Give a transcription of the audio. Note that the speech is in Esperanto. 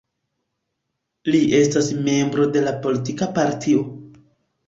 Li ne estas membro de politika partio.